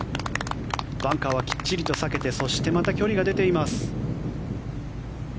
バンカーはきっちりと避けてそしてまた距離が出ています。